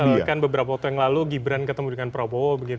pun misalkan beberapa waktu yang lalu gibran ketemu dengan pak jokowi